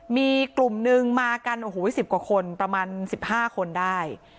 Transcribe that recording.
มีกลุ่มนึงมากันโอ้โห๑๐กว่าคนประมาณ๑๕คนได้